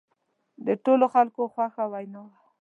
د ټولو خلکو خوښه وینا وه.